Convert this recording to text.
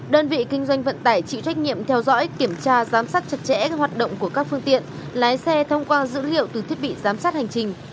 đơn vị kinh doanh vận tải chịu trách nhiệm theo dõi kiểm tra giám sát chặt chẽ các hoạt động của các phương tiện lái xe thông qua dữ liệu từ thiết bị giám sát hành trình